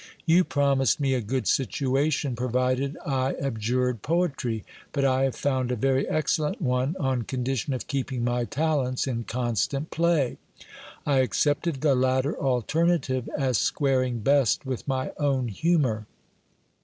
You promised me a good situation provided I abjured poetry, but I have found a very excellent one, on condition of keeping my talents in constant play. I accepted the latter alternative, as squaring best with my own humour.